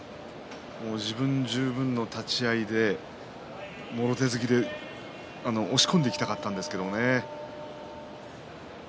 自分十分の立ち合いでもろ手突きで押し込んでいきたかったんですけどね。